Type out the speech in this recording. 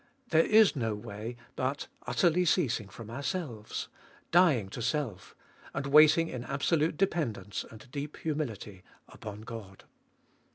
There is no way but utterly ceasing from ourselves, dying to self, and waiting in absolute dependence and deep humility upon God.